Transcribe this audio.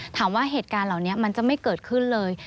ถามว่าเหตุการณ์เหล่านี้มันจะไม่เกิดขึ้นเลย